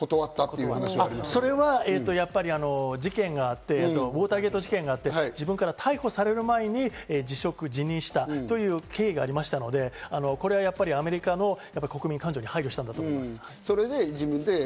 ニクソン大統領だけが断ったそれは事件があって、ウォーターゲート事件がありましたから、自分から逮捕される前に辞職辞任したという経緯がありましたので、これはやっぱりアメリカの国民感情に配慮したと思います。